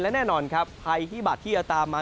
และแน่นอนครับภัยพิบัตรที่จะตามมา